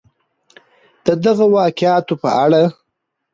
د دغه واقعاتو په اړه